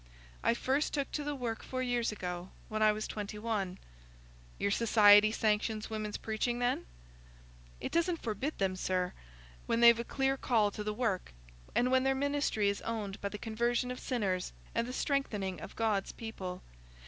"I first took to the work four years since, when I was twenty one." "Your Society sanctions women's preaching, then?" "It doesn't forbid them, sir, when they've a clear call to the work, and when their ministry is owned by the conversion of sinners and the strengthening of God's people.